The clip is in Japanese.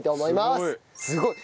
すごい。